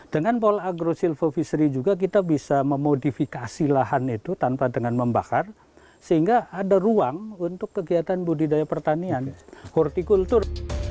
dengan pola agrosilvofisry juga kita bisa memodifikasi lahan itu tanpa dengan membakar sehingga ada ruang untuk kegiatan budidaya pertanian hortikultur